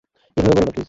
এভাবে বলো না, প্লীজ।